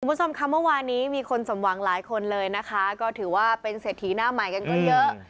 คุณผู้ชมค่ะเมื่อวานนี้มีคนสมหวังหลายคนเลยนะคะก็ถือว่าเป็นเศรษฐีหน้าใหม่กันก็เยอะ